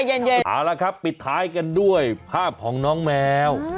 เอาละครับปิดท้ายกันด้วยภาพของน้องแมว